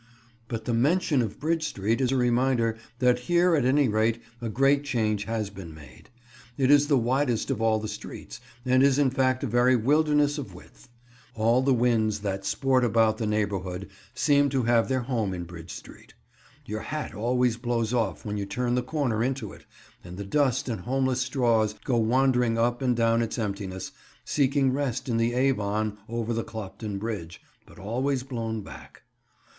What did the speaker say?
But the mention of Bridge Street is a reminder that here at any rate a great change has been made. It is the widest of all the streets, and is in fact a very wilderness of width. All the winds that sport about the neighbourhood seem to have their home in Bridge Street. Your hat always blows off when you turn the corner into it, and the dust and homeless straws go wandering up and down its emptiness, seeking rest in the Avon over the Clopton Bridge, but always blown back.